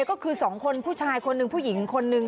ก็คือ๒คนผู้ชายคนหนึ่งผู้หญิงคนนึง